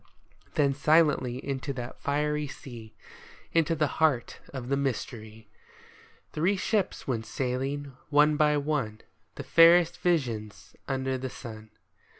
Then silently into that fiery sea — Into the heart of the mystery — Three ships went sailing, one by one. The fairest visions under the sun.